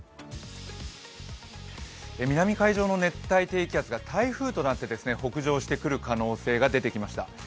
南海上の熱帯低気圧が台風となった北上してくる可能性が出てきました。